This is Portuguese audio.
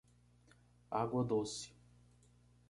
Água doce